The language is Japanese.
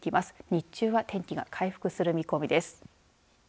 日中は天気が回復する見込みです。